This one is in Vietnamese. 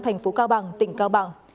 thành phố cao bằng tỉnh cao bằng